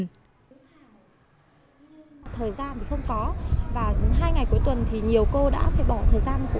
thời gian thì không có và hai ngày cuối tuần thì nhiều cô đã phải bỏ thời gian